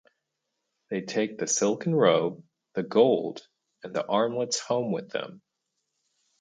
They take the silken robe, the gold, and the armlets home with them.